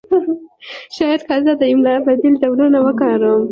شاید که زه د املا بدیل ډولونه وکاروم